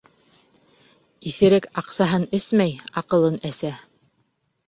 Иҫерек аҡсаһын эсмәй, аҡылын әсә.